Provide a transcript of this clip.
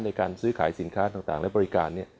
ในการซื้อขายสินค้าต่างและบริการ